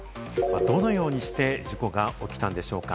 どのようにして事故が起きたんでしょうか？